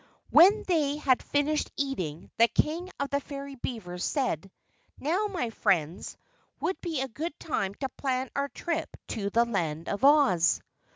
When they had finished eating the King of the Fairy Beavers said: "Now, my friends, would be a good time to plan our trip to the Land of Oz."